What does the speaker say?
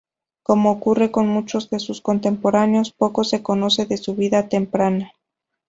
Como ocurre con muchos de sus contemporáneos, poco se conoce de su vida temprana.